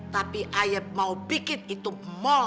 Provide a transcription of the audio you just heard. tapi ayeb mau bikin itu mall